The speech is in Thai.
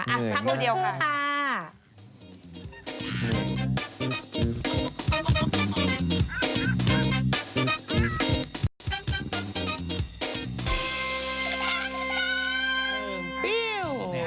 ทำดูซิลูกณา